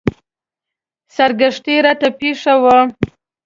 سرګښتۍ راته پېښه وه.